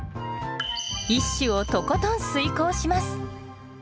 一首をとことん推敲します。